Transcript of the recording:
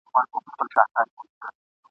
هم له خپلو هم پردیو را جلا وه ..